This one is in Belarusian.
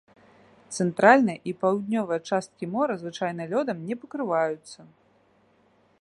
Цэнтральная і паўднёвая часткі мора звычайна лёдам не пакрываюцца.